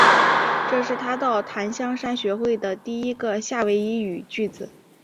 这是他到檀香山学会的第一个夏威夷语句子。